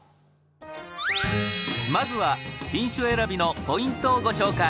まずは品種選びのポイントをご紹介。